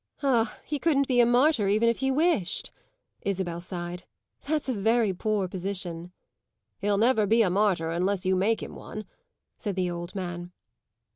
"Ah, he couldn't be a martyr even if he wished!" Isabel sighed. "That's a very poor position." "He'll never be a martyr unless you make him one," said the old man.